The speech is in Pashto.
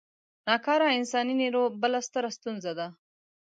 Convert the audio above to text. نا کاره انساني نیرو بله ستره ستونزه ده.